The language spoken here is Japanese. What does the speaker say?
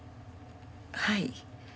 はい。